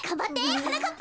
はなかっぱ！